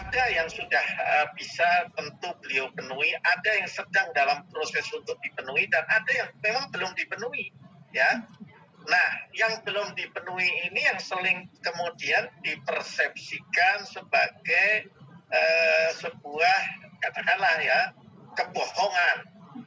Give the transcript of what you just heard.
konsepsikan sebagai sebuah katakanlah ya kebohongan